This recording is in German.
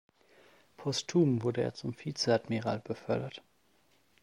Posthum wurde er zum Vizeadmiral befördert.